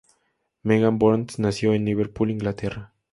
Megan Burns nació en Liverpool, Inglaterra.